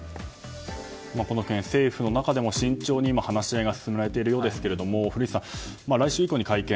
政府の中でも慎重に話し合いが進められているようですが古市さん、来週以降に会見。